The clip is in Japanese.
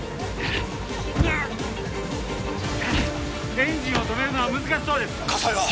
エンジンを止めるのは難しそうです火災は？